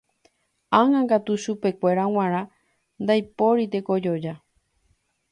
Ág̃a katu chupekuéra g̃uarã ndaipóri tekojoja.